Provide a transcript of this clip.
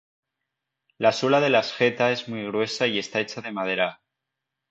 La suela de las "geta" es muy gruesa y está hecha de madera.